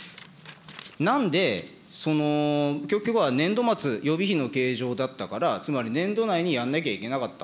なんで、年度末、予備費の形状だったからつまり年度内にやんなきゃいけなかった。